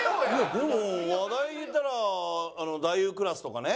でも話題でいったら「太夫クラス」とかね。